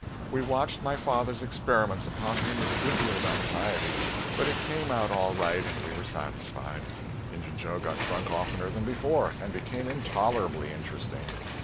We watched my father's experiments upon him with a good deal of anxiety, but it came out all right and we were satisfied. Injun Joe got drunk oftener than before, and became intolerably interesting.